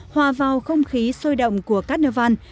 hòa vào không khí sôi động của cát nao văn